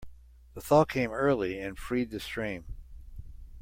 The thaw came early and freed the stream.